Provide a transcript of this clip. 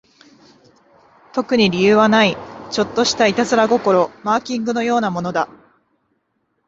特に理由はない、ちょっとした悪戯心、マーキングのようなものだ